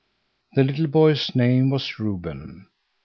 The little boy's name was Reuben.